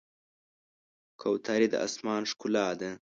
کوترې د آسمان ښکلا ده.